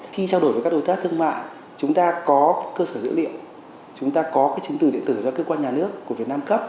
khi trao đổi với các đối tác thương mại chúng ta có cơ sở dữ liệu chúng ta có cái chứng từ điện tử do cơ quan nhà nước của việt nam cấp